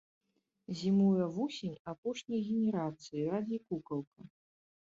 Зімуе вусень апошняй генерацыі, радзей кукалка.